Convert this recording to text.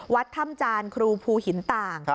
วัดถ้ำจานครูภูหินต่าง